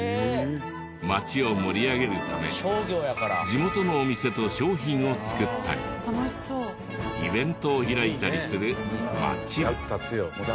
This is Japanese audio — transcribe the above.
町を盛り上げるため地元のお店と商品を作ったりイベントを開いたりする「まち部。」。